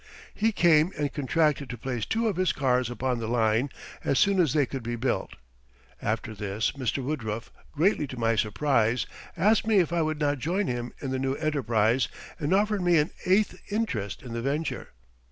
He came and contracted to place two of his cars upon the line as soon as they could be built. After this Mr. Woodruff, greatly to my surprise, asked me if I would not join him in the new enterprise and offered me an eighth interest in the venture.